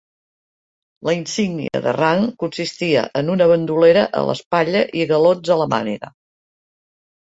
La insígnia de rang consistia en una bandolera a l'espatlla i galons a la màniga.